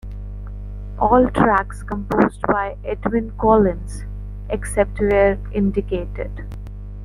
All tracks composed by Edwyn Collins, except where indicated.